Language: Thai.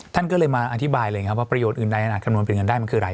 ท่านก็เลยมาอธิบายเลยครับว่าประโยชน์อื่นใดอาจคำนวณเป็นเงินได้มันคืออะไร